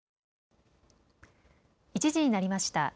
１時になりました。